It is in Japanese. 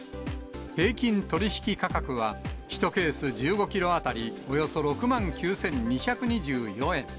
平均取り引き価格は１ケース１５キロ当たり、およそ６万９２２４円。